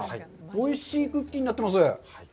おいしいクッキーになってます。